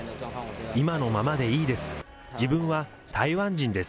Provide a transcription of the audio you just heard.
今のままでいいです。